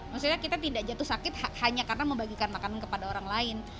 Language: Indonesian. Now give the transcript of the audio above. maksudnya kita tidak jatuh sakit hanya karena membagikan makanan kepada orang lain